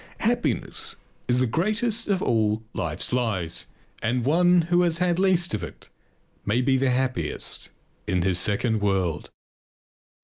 Happiness is the greatest of all life's lies and one who has had least of it may be the happiest in his second world.